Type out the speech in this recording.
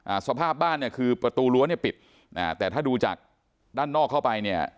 อ่าสภาพบ้านเนี่ยคือประตูรั้วเนี้ยปิดอ่าแต่ถ้าดูจากด้านนอกเข้าไปเนี่ย